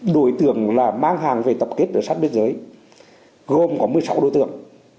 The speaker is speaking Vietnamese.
đội tưởng là mang hàng về tập kết ở sát biên giới gồm có một mươi sáu đội tưởng